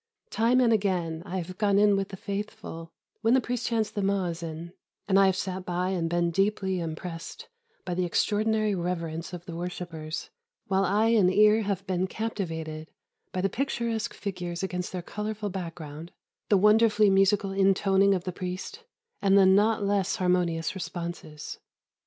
Time and again I have gone in with the Faithful, when the priest chants the mu'azzin, and I have sat by and been deeply impressed by the extraordinary reverence of the worshippers, while eye and ear have been captivated by the picturesque figures against their colourful background, the wonderfully musical intoning of the priest, and the not less harmonious responses.